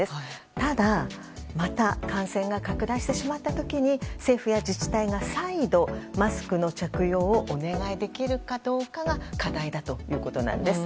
ただ、また感染が拡大してしまった時に政府や自治体が再度マスクの着用をお願いできるかどうかが課題だということです。